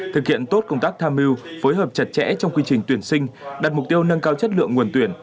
thực hiện tốt công tác tham mưu phối hợp chặt chẽ trong quy trình tuyển sinh đặt mục tiêu nâng cao chất lượng nguồn tuyển